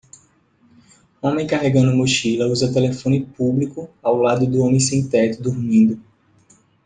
homem carregando mochila usa telefone público ao lado do homem sem-teto dormindo.